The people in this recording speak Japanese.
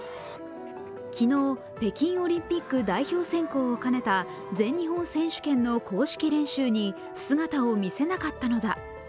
昨日、北京オリンピック代表選考を兼ねた全日本選手権の公式練習に姿を見せなかったのだ。